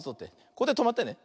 これでとまってね。